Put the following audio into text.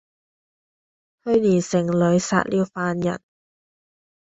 去年城裏殺了犯人，